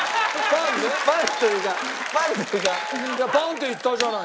いや「パン」って言ったじゃない。